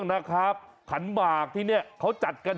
ขอขอบคุณภาพนี้ก่อนนะครับจากเฟซบุ๊ก